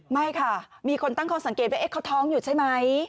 ไม่ค่ะมีคนตั้งข้อสังเกตว่าเขาท้องอยู่ใช่ไหม